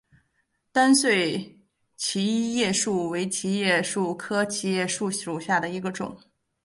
单穗桤叶树为桤叶树科桤叶树属下的一个种。